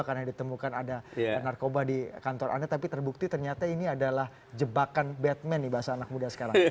karena ditemukan ada narkoba di kantor anda tapi terbukti ternyata ini adalah jebakan batman di bahasa anak muda sekarang